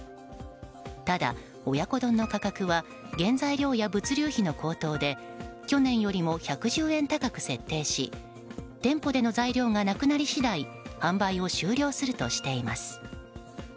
ただ、親子丼の価格は原材料や物流費の高騰で去年よりも１１０円高く設定し店舗での材料がなくなり次第販売を終了するとしています。